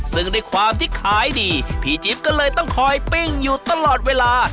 ซึ่งด้วยความที่ขายดีพี่จิ๊บก็เลยต้องคอยปิ้งอยู่ตลอดเวลา